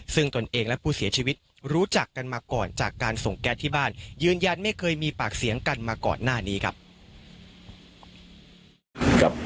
ซึ่งตนเองและผู้เสียชีวิตรู้จักกันมาก่อนจากการส่งแก๊สที่บ้านยืนยันไม่เคยมีปากเสียงกันมาก่อนหน้านี้ครับ